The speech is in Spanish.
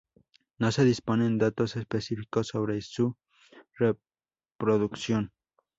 No se disponen datos específicos sobre su reproducción.